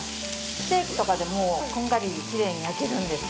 ステーキとかでもこんがりきれいに焼けるんですよ。